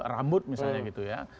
rambut misalnya gitu ya